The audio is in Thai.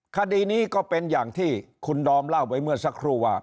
คดีนี้ก็เป็นอย่างที่คุณดอมเล่าไปเมื่อสักครู่ว่า